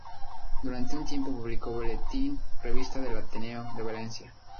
Durante un tiempo publicó "Boletín-revista del Ateneo de Valencia".